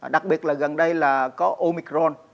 đặc biệt là gần đây là có omicron